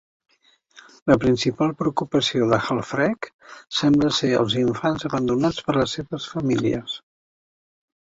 La principal preocupació de Halfrek sembla ser els infants abandonats per les seves famílies.